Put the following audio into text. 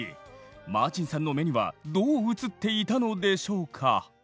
マーチンさんの目にはどう映っていたのでしょうか。